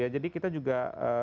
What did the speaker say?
jadi kita juga